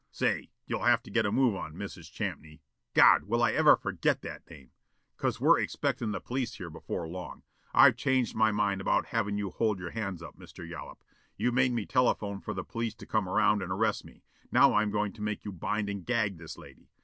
Say, you'll have to get a move on, Mrs. Champney, God, will I ever forget that name! 'cause we're expectin' the police here before long. I've changed my mind about havin' you hold your hands up, Mr. Yollop. You made me telephone for the police to come around and arrest me. Now I'm goin' to make you bind and gag this lady.